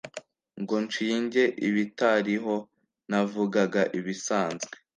Ngo nshinge ibitariho; Navugaga ibisanzwe